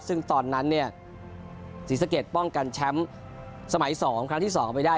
ซึ่งตอนนั้นเนี่ยสีสะเกดป้องกันแชมป์สมัยสองของคล้านที่สองไปได้